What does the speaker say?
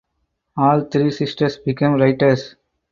All three sisters became writers.